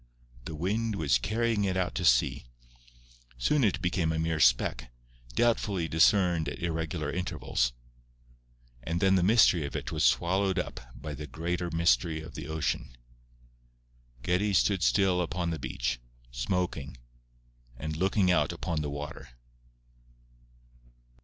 The wind was carrying it out to sea. Soon it became a mere speck, doubtfully discerned at irregular intervals; and then the mystery of it was swallowed up by the greater mystery of the ocean. Geddie stood still upon the beach, smoking and looking out upon the water.